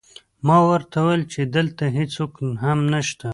ما ورته وویل چې دلته هېڅوک هم نشته